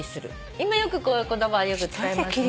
今こういう言葉はよく使いますね。